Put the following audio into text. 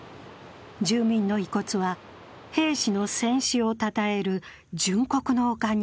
住民の遺骨は兵士の戦士をたたえる殉国の丘に